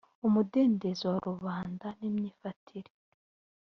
umudendezo wa rubanda n imyifatire